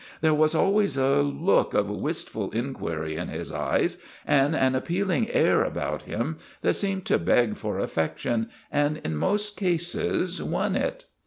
There was al ways a look of wistful inquiry in his eyes and an appealing air about him that seemed to beg for af fection and in most cases won it.